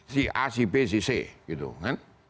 si a si b si c gitu kan